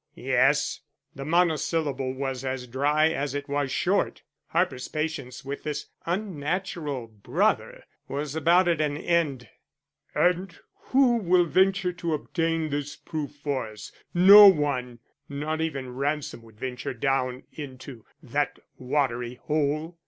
"Yes," the monosyllable was as dry as it was short. Harper's patience with this unnatural brother was about at an end. "And who will venture to obtain this proof for us? No one. Not even Ransom would venture down into that watery hole.